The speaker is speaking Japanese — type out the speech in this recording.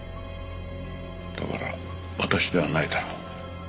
だから私ではないだろう。